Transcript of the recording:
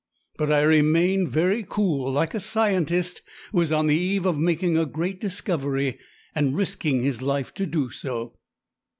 But I remained very cool, like a scientist who is on the eve of making a great discovery and risking his life to do so.